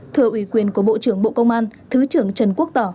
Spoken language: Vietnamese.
thưa ủy quyền của bộ trưởng bộ công an thứ trưởng trần quốc tỏ